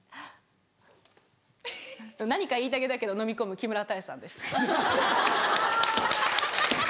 何か言いたげだけどのみ込む木村多江さんでした。